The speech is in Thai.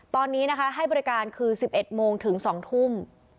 ตอนนี้นะคะให้บริการคือ๑๑โมงถึง๒ทุ่ม